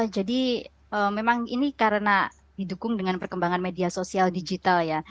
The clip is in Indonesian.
jadi memang ini karena didukung dengan perkembangan media sosial digital ya